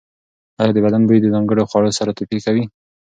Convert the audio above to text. ایا د بدن بوی د ځانګړو خوړو سره توپیر کوي؟